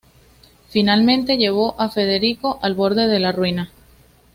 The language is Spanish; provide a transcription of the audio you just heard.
Finalmente, llevó a Federico al borde de la ruina.